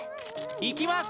行きます！